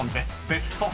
［ベスト５。